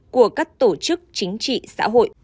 của các tổ chức chính trị xã hội